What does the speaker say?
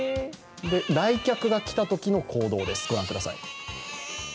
来客が来たときの行動です、御覧ください。